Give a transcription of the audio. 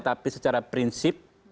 tapi secara prinsip